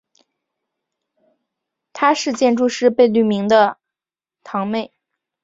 她是建筑师贝聿铭的堂妹。